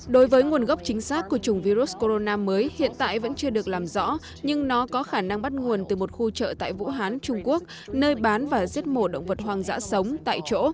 đối với nguồn gốc chính xác của chủng virus corona mới hiện tại vẫn chưa được làm rõ nhưng nó có khả năng bắt nguồn từ một khu chợ tại vũ hán trung quốc nơi bán và giết mổ động vật hoang dã sống tại chỗ